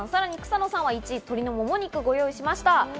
草野さんは１位、鶏のもも肉をご用意しました。